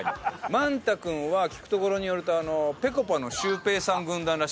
まんた君は聞くところによるとぺこぱのシュウペイさん軍団らしくて。